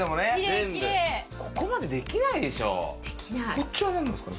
こっちは何なんですかね。